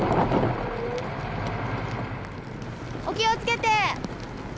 お気をつけて！